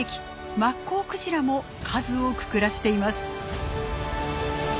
マッコウクジラも数多く暮らしています。